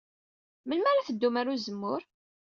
Melmi ara teddum ɣer uzemmur?